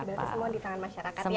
berarti semua di tangan masyarakat ya